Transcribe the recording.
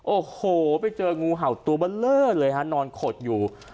ลงดูสำรวจโอ้โหไปเจองูเห่าตัวเบลอเลยฮะนอนขดอยู่